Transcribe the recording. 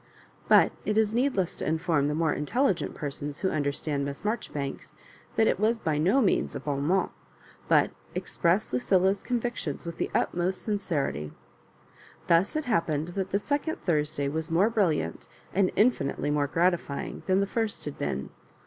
But it is needless to inform the more intelligent persons who understand Miss Marjoribanks, that it was by no means a bm motj but expressed Lucilla's convictions with the utmost sincerity. Thus it happened that the second Thursday was more briiliant and uafinitely more gratifying than the first had been.